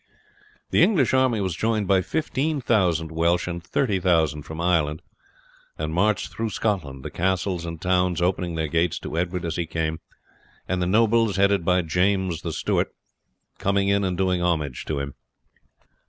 The English army was joined by 15,000 Welsh and 30,000 from Ireland, and marched through Scotland, the castles and towns opening their gates to Edward as he came, and the nobles, headed by James the Stewart, coming in and doing homage to him.